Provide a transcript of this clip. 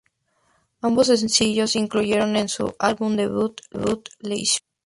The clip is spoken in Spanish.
Ambos sencillos se incluyeron en su álbum debut, Leisure.